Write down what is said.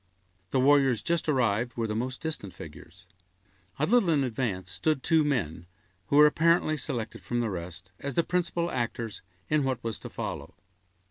The warriors just arrived were the most distant figures. A little in advance stood two men, who were apparently selected from the rest, as the principal actors in what was to follow.